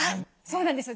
そうなんです。